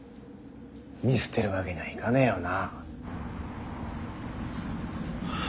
見捨てるわけにはいかねえよな？